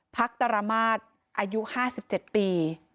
พรรคตรมาศอายุ๕๗ปี